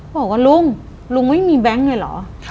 บอกว่าลุงลุงไม่มีแบงค์เลยเหรอ